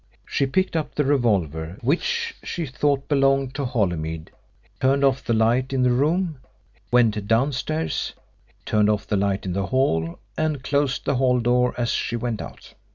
She picked up the revolver, which she thought belonged to Holymead, turned off the light in the room, went downstairs, turned off the light in the hall, and closed the hall door as she went out.